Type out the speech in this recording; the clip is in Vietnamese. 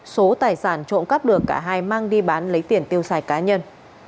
số tài sản trộm cắp được cả hai mang đi bán lấy tiền tiêu xài cá nhân